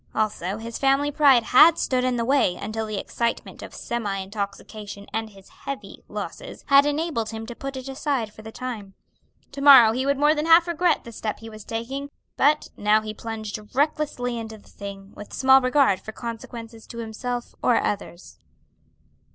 Also, his family pride had stood in the way until the excitement of semi intoxication and his heavy losses had enabled him to put it aside for the time. To morrow he would more than half regret the step he was taking, but now he plunged recklessly into the thing with small regard for consequences to himself or others.